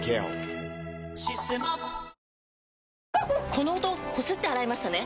この音こすって洗いましたね？